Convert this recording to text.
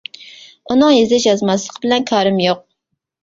ئۇنىڭ يېزىش يازماسلىقى بىلەن كارىم يوق.